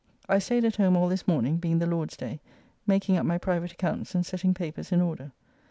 I staid at home all this morning, being the Lord's day, making up my private accounts and setting papers in order.